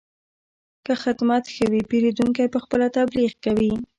که خدمت ښه وي، پیرودونکی پخپله تبلیغ کوي.